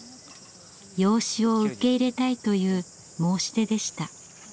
養子を受け入れたいという申し出でした。